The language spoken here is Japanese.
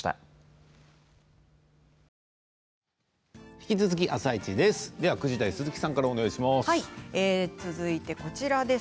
引き続き「あさイチ」です。